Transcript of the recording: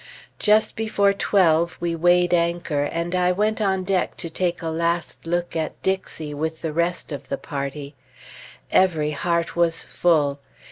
Just before twelve we "weighed anchor" and I went on deck to take a last look at Dixie with the rest of the party. Every heart was full.